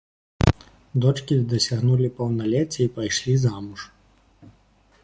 Дочкі дасягнулі паўналецця і пайшлі замуж.